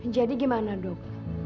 jadi gimana dok